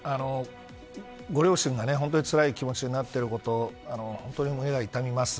ご両親が本当につらい気持ちになっていること胸が痛みます。